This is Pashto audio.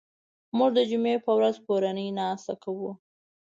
موږ د جمعې په ورځ کورنۍ ناسته کوو